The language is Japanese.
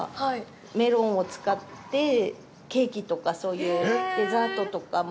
メロンを使ってケーキとかそういうデザートとかも。